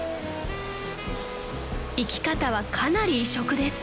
［生き方はかなり異色です］